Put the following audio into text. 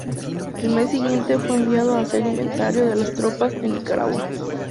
El mes siguiente fue enviado a hacer inventario de las tropas en Nicaragua.